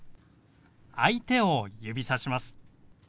相手を指さします。